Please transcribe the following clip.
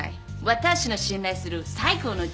私の信頼する最高のチーム。